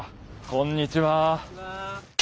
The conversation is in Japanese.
こんにちは。